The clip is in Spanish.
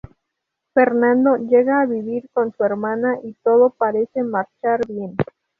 Fernando llega a vivir con su hermana y todo parece marchar bien.